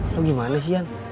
lu gimana sih yan